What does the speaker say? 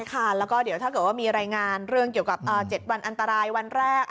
แล้วก็เดี๋ยวถ้าเกิดว่ามีรายงานเรื่องเกี่ยวกับ๗วันอันตรายวันแรก